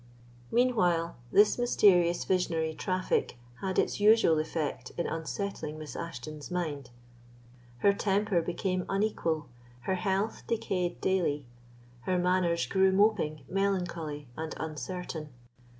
Meanwhile, this mysterious visionary traffic had its usual effect in unsettling Miss Ashton's mind. Her temper became unequal, her health decayed daily, her manners grew moping, melancholy, and uncertain.